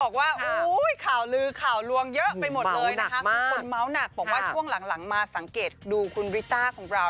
บอกว่าข่าวลืมข่าวลวงเยอะไปหมดเลยนะค่ะ